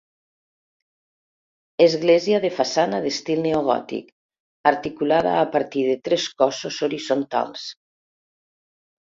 Església de façana d'estil neogòtic articulada a partir de tres cossos horitzontals.